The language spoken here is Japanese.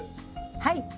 はい！